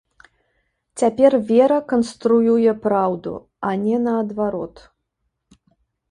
Цяпер вера канструюе праўду, а не наадварот.